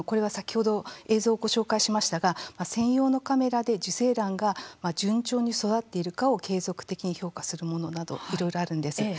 先ほど映像をご紹介しましたが専用のカメラで受精卵が順調に育っているかを継続的に評価するものなどいろいろあるんです。